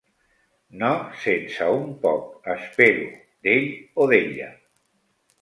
"No sense un poc, espero, d'ell o d'ella".